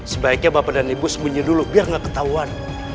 sebaiknya bapak dan ibu sembunyi dulu biar nggak ketahuan